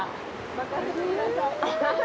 任せてください。